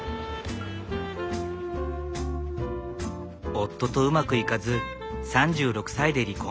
夫とうまくいかず３６歳で離婚。